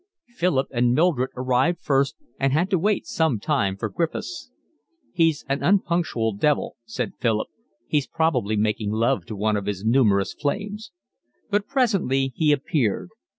Philip and Mildred arrived first and had to wait some time for Griffiths. "He's an unpunctual devil," said Philip. "He's probably making love to one of his numerous flames." But presently he appeared.